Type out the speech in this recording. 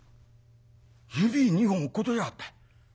指２本落っことしやがった。